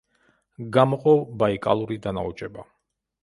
გამოყო ბაიკალური დანაოჭება.